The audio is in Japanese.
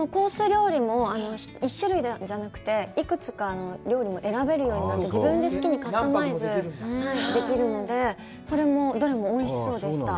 料理も１種類じゃなくて、幾つか料理も選べるようになってて、自分で好きにカスタマイズできるので、それもどれもおいしそうでした。